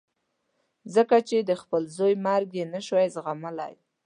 ځکه چې د خپل زوی مرګ یې نه شو زغملای.